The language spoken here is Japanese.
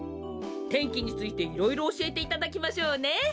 天気についていろいろおしえていただきましょうね。